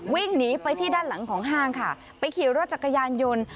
วิ่งหนีไปที่ด้านหลังของห้างค่ะไปขี่รถจักรยานยนต์